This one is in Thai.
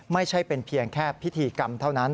ไม่ใช่เป็นเพียงแค่พิธีกรรมเท่านั้น